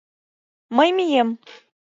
Мый мием.